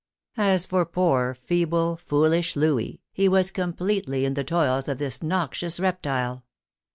As for poor, feeble, foolish Louis, he was com pletely in the toils of this noxious reptile.